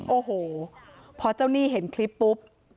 โอ้โหพอเจ้าหนี้เห็นคลิปปุ๊บ